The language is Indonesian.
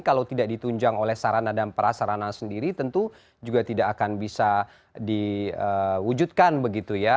kalau tidak ditunjang oleh sarana dan prasarana sendiri tentu juga tidak akan bisa diwujudkan begitu ya